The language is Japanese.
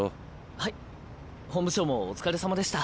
はい本部長もお疲れさまでした。